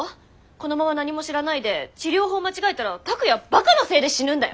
このまま何も知らないで治療法を間違えたら拓哉ばかのせいで死ぬんだよ？